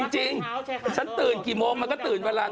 จริงฉันตื่นกี่โมงมันก็ตื่นเวลา